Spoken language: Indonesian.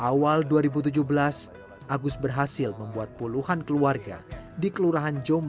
awal dua ribu tujuh belas agus berhasil membuat perawatan intensif